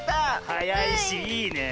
はやいしいいねえ。